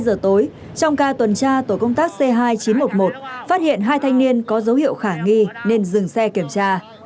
một mươi hai giờ tối trong ca tuần tra tổ công tác c hai chín trăm một mươi một phát hiện hai thanh niên có dấu hiệu khả nghi nên dừng xe kiểm tra